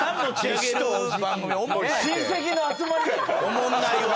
おもんないわ。